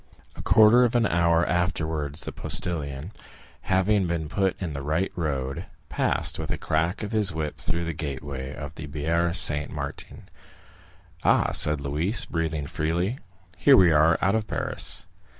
A quarter of an hour afterwards the postilion, having been put in the right road, passed with a crack of his whip through the gateway of the Barrière Saint Martin. "Ah," said Louise, breathing freely, "here we are out of Paris."